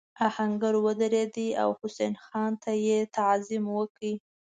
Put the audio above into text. آهنګر ودرېد او حسن خان ته یې تعظیم وکړ.